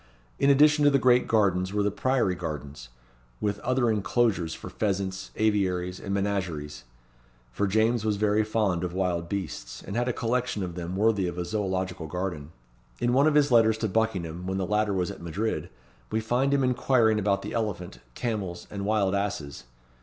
In addition to the great gardens were the priory gardens, with other inclosures for pheasants, aviaries, and menageries; for James was very fond of wild beasts, and had a collection of them worthy of a zoological garden. In one of his letters to Buckingham when the latter was at Madrid, we find him inquiring about the elephant, camels, and wild asses.